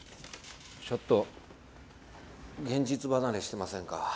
ちょっと現実離れしてませんか。